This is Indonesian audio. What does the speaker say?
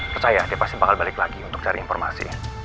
percaya dia pasti bakal balik lagi untuk cari informasi